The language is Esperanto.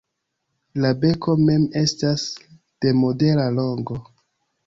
La beko mem estas de modera longo.